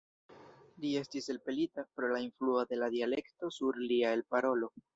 Li estis elpelita, pro la influo de la dialekto sur lia elparolo.